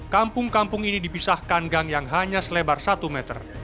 kampung kampung ini dipisahkan gang yang hanya selebar satu meter